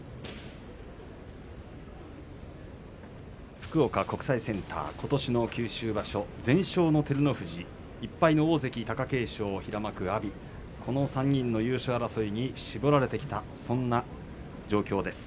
福岡国際センターことしの九州場所全勝の照ノ富士１敗の大関貴景勝平幕の阿炎、この３人の優勝争いに絞られてきたそんな状況です。